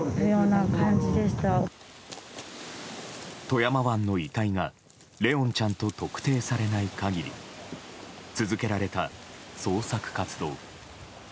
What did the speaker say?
富山湾の遺体が怜音ちゃんと特定されない限り続けられた捜索活動。